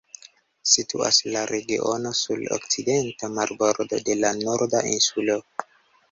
Situas la regiono sur okcidenta marbordo de la Norda Insulo.